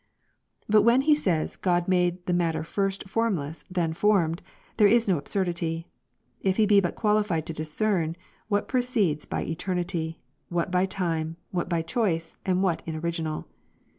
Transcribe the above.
But when he says, God made matterfirst formless, then formed, there is no absurdity, if he be but qualified to discern, what precedes by eternity, what by time, what l)y choice, and what in original.